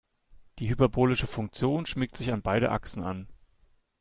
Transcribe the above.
Die hyperbolische Funktion schmiegt sich an beide Achsen an.